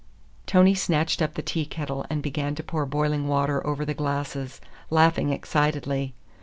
Tony snatched up the tea kettle and began to pour boiling water over the glasses, laughing excitedly.